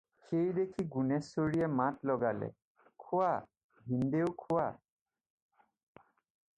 "সেই দেখি গুণেশ্বৰীয়ে মাত লগালে, "খোৱা, ভিনীহিদেউ খোৱা।"